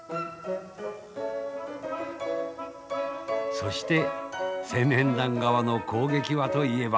そして青年団側の攻撃はといえば。